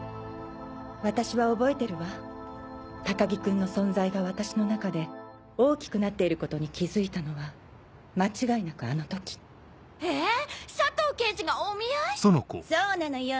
私は覚えてるわ高木君の存在が私の中で大きくなっていることに気付いたのは間違いなくあの時えぇ⁉佐藤刑事がお見合い⁉そうなのよ！